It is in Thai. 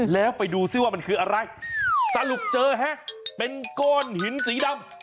แล้วไปดูซิว่ามันคืออะไรสรุปเจอฮะเป็นก้อนหินสีดำ